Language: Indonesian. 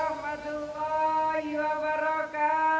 assalamualaikum wr wb